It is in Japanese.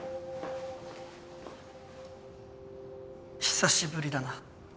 久しぶりだな。